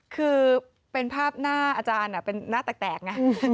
คือเป็นภาพหน้าอาจารย์เป็นหน้าแตกไง